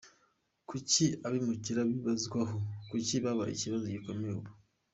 Kuki abimukira bibanzweho? Kuki babaye ikibazo gikomeye ubu?.